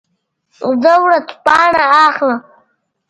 زه ورځپاڼه اخلم.